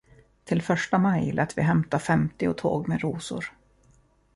Till första maj lät vi hämta femtio tåg med rosor.